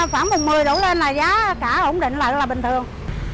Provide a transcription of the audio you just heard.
khoảng một mươi độ lên là giá cả ổn định lại là bình thường